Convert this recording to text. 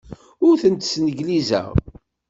Ur tent-sneglizeɣ.